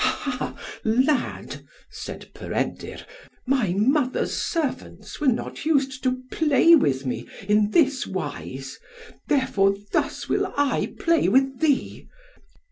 "Ha ha! lad," said Peredur, "my mother's servants were not used to play with me in this wise; therefore, thus will I play with thee."